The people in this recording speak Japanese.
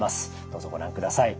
どうぞご覧ください。